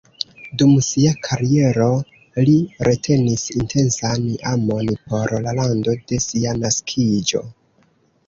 Dum sia kariero, li retenis intensan amon por la lando de sia naskiĝo.